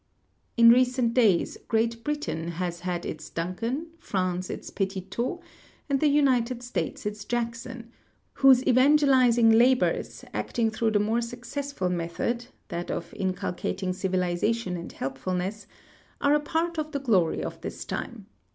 In recent days Great Britain has had its Duncan, France its Petitot, and the United .States its Jackson, Avhose evangelizing labors, acting through the more successful method — that of in culcating civilization and helpfulness — are a ]>art of the glory of this time.